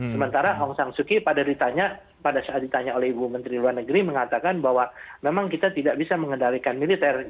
sementara hong sang suki pada saat ditanya oleh ibu menteri luar negeri mengatakan bahwa memang kita tidak bisa mengendalikan militer